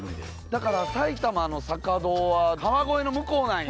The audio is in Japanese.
だから埼玉の坂戸は川越の向こうなんや。